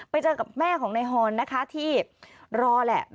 ไปเจอกับแม่ของนายฮอนนะคะที่รอแหละ